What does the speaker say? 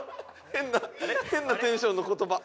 変な変なテンションの言葉。